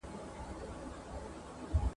شرنګاشرنګ د پایزېبونو هر ګودر یې غزلخوان دی !.